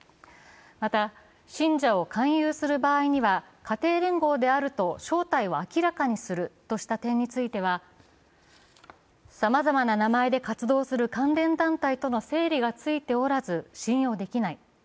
また信者を勧誘する場合には家庭連合であると正体を明らかにするとした点については、さまざまな名前で活動する関連団体との整理がついておらず信用できない。